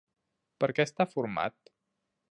Per què està format?